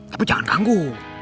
tapi jangan ganggu